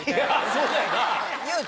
そうだよな。